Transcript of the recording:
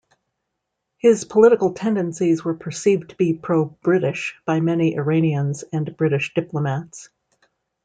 His political tendencies were perceived to be pro-British by many Iranians and British diplomats.